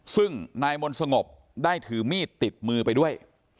ซึ่งนายมนต์สงบได้ถือมีดติดมือไปด้วย